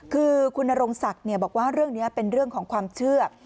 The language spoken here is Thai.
คือคุณนรงศักดิ์บอกว่าเรื่องนี้เป็นเรื่องของความเชื่อ